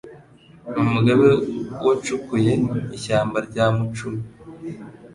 Ni Umugabe wacukuye ishyamba rya Mucumi